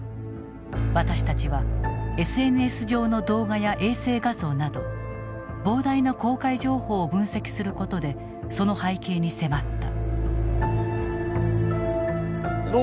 私たちはＳＮＳ上の動画や衛星画像など膨大な公開情報を分析することでその背景に迫った。